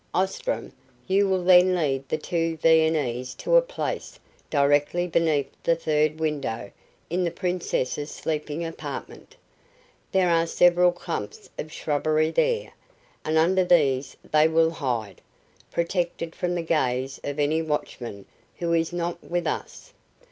Ostrom, you will then lead the two Viennese to a place directly beneath the third window in the Princess's sleeping apartment. There are several clumps of shrubbery there, and under these they will hide, protected from the gaze of any watchman who is not with us.